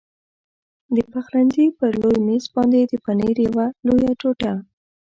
د پخلنځي پر لوی مېز باندې د پنیر یوه لویه ټوټه.